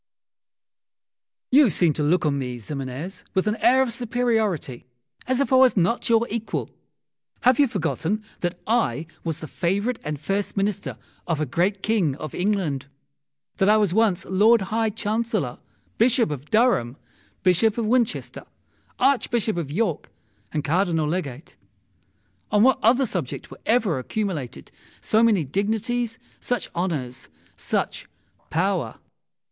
You seem to look on me, Ximenes, with an air of superiority, as if I was not your equal. Have you forgotten that I was the favourite and first Minister of a great King of England? that I was at once Lord High Chancellor, Bishop of Durham, Bishop of Winchester, Archbishop of York, and Cardinal Legate? On what other subject were ever accumulated so many dignities, such honours, such power?